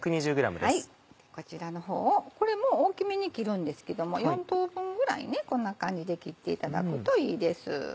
こちらの方をこれも大きめに切るんですけども４等分ぐらいこんな感じで切っていただくといいです。